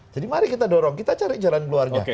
jadi mari kita dorong kita cari jalan keluarnya